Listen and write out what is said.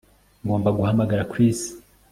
Ngomba guhamagara Chris